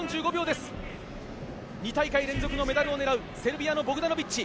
２大会連続のメダルを狙うセルビアのボクダノビッチ。